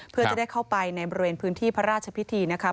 เพื่อจะได้เข้าไปในบริเวณพื้นที่พระราชพิธีนะครับ